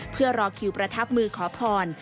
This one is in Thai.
เพื่อรอคิวประทับมือขอพร